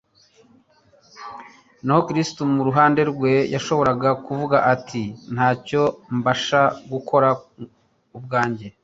Naho Kristo mu ruhande rwe, yashoboraga kuvuga ati: «Ntacyo mbasha gukora ubwanjye,